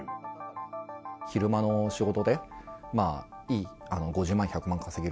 昼間の仕事で、まあ、いい、５０万、１００万稼げる